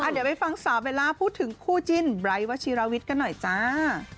เดี๋ยวไปฟังสาวเบลล่าพูดถึงคู่จิ้นไบร์ทวัชิราวิทย์กันหน่อยจ้า